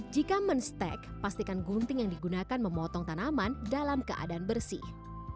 jika men stack pastikan gunting yang digunakan memotong tanaman dalam keadaan bersih